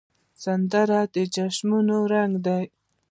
سندره د جشنونو رنګ ده